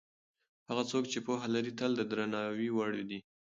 هغه څوک چې پوهه لري تل د درناوي وړ دی.